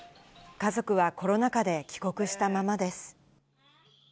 家族はコロナ禍で帰国したままです。